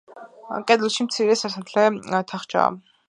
კედელში მცირე სასანთლე თახჩაა.